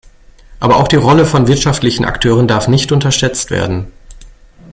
Aber auch die Rolle von wirtschaftlichen Akteuren darf nicht unterschätzt werden.